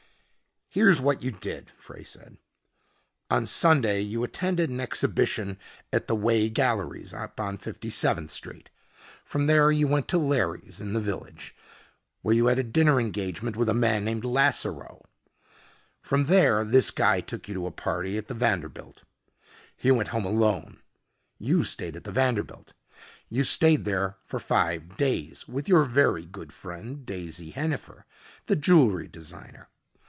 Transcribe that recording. "Here's what you did," Frey said. "On Sunday you attended an exhibition at the Wheye Galleries, up on 57th Street. From there you went to Larry's, in the Village, where you had a dinner engagement with a man named Lasseroe. From there this guy took you to a party at the Vanderbilt. He went home alone. You stayed at the Vanderbilt. You stayed there for five days, with your very good friend, Daisy Hennifer, the jewelry designer.